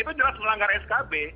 itu jelas melanggar skb